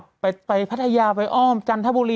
ก็ไปพัทยาไปอ้อมจันทบุรี